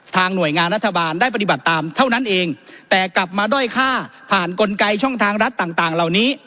หน่วยงานรัฐบาลได้ปฏิบัติตามเท่านั้นเองแต่กลับมาด้อยค่าผ่านกลไกช่องทางรัฐต่างต่างเหล่านี้